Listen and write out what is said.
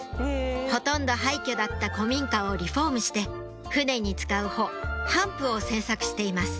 ほとんど廃虚だった古民家をリフォームして船に使う帆帆布を製作しています